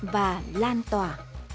và lan tỏa